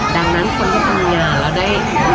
ดังนั้นคนที่ทำงานแล้วได้